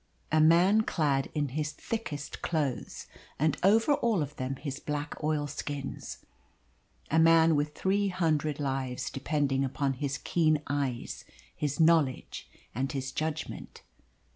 A man clad in his thickest clothes, and over all of them his black oilskins. A man with three hundred lives depending upon his keen eyes, his knowledge, and his judgment.